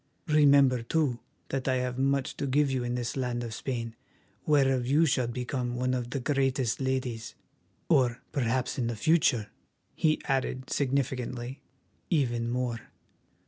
Remember, too, that I have much to give you in this land of Spain, whereof you shall become one of the greatest ladies, or perhaps in the future," he added significantly, "even more.